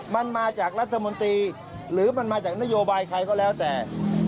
มันมาจากรัฐมนตรีหรือมันมาจากนโยบายใครก็แล้วแต่